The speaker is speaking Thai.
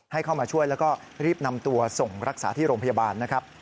ให้เข้ามาช่วยแล้วก็รีบนำตัวส่งรักษาที่โรงพยาบาลนะครับ